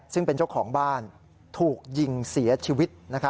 ซึ่งเป็นเจ้าของบ้านถูกยิงเสียชีวิต